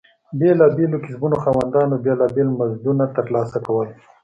بېلابېلو کسبونو خاوندانو بېلابېل مزدونه ترلاسه کول.